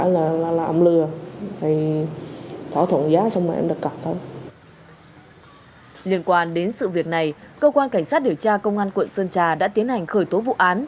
liên quan đến sự việc này cơ quan cảnh sát điều tra công an quận sơn trà đã tiến hành khởi tố vụ án